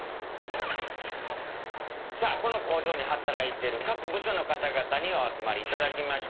さあこの工場に働いている各部署の方々にお集まりいただきました。